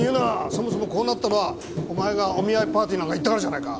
そもそもこうなったのはお前がお見合いパーティーなんかに行ったからじゃないか。